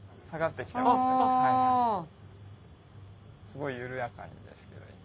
すごい緩やかにですけど今。